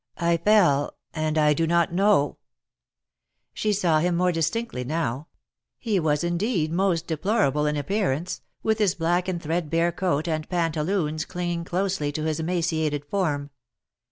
I fell, and I do not know —" She saw him more distinctly now. He was indeed \ most deplorable in appearance, with his black and thread bare coat and pantaloons clinging closely to his emaciated form.